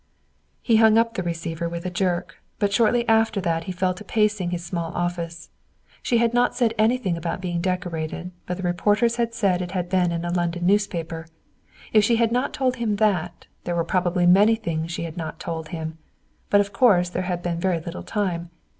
He hung up the receiver with a jerk, but shortly after that he fell to pacing his small office. She had not said anything about being decorated, but the reporters had said it had been in a London newspaper. If she had not told him that, there were probably many things she had not told him. But of course there had been very little time.